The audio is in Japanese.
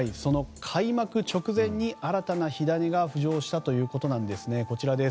開幕直前に新たな火種が浮上したということなんですね。